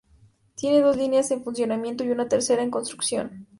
Tiene dos líneas en funcionamiento y una tercera en construcción.